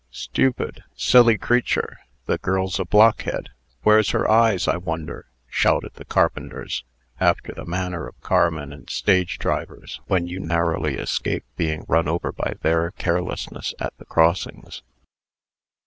"Stupid!" "Silly creature!" "The girl's a blockhead!" "Where's her eyes, I wonder?" shouted the carpenters, after the manner of carmen and stage drivers, when you narrowly escape being run over by their carelessness, at the crossings.